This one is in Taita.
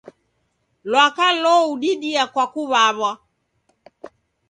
Lwaka loududia kwa kuw'aw'a.